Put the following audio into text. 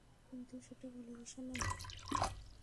কিন্তু সেটা ভালোবাসা নয়।